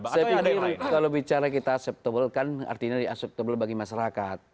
saya pikir kalau bicara kita acceptable kan artinya di acceptable bagi masyarakat